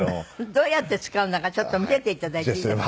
どうやって使うんだがちょっと見せて頂いていいですか？